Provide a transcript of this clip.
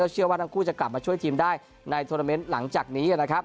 เชื่อว่าทั้งคู่จะกลับมาช่วยทีมได้ในโทรเมนต์หลังจากนี้นะครับ